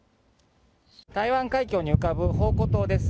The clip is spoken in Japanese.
台湾海峡に浮かぶ澎湖島です。